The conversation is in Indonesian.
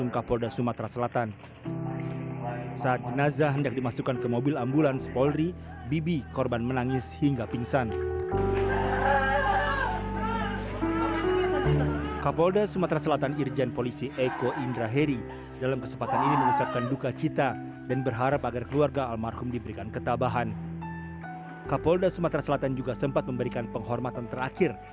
kapolda sumatera selatan juga sempat memberikan penghormatan terakhir